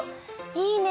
いいね！